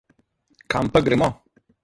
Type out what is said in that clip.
Kam pa gremo?